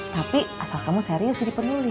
tapi asal kamu serius jadi penulis